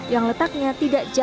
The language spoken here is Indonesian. yang letaknya tidak diberikan